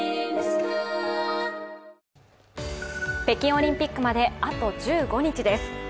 北京オリンピックまで、あと１５日です。